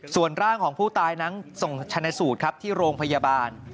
ส่วนร่างของผู้ตายนั้นส่งชนะสูตรครับที่โรงพยาบาล